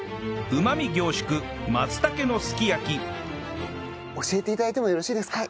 うまみ凝縮教えて頂いてもよろしいですか？